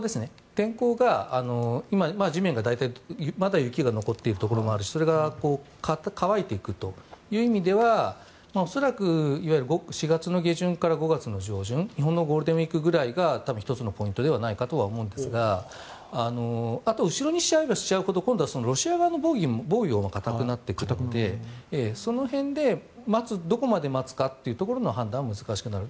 天候が今、地面が大体まだ雪が残っているところもあるしそれが乾いていくという意味では恐らく４月の下旬から５月の上旬日本のゴールデンウィークぐらいが多分１つのポイントではないかと思いますがあと後ろにしちゃえばしちゃうほどロシア側の防御も堅くなってくるのでその辺でどこまで待つかという判断も難しくなる。